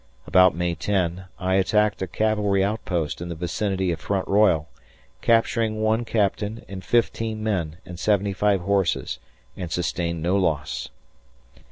About May 10 I attacked a cavalry outpost in the vicinity of Front Royal, capturing 1 captain and 15 men and 75 horses and sustained no loss.